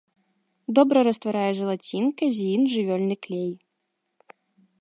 Добра растварае жэлацін, казеін, жывёльны клей.